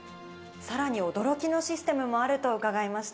さらに驚きのシステムもあると伺いました。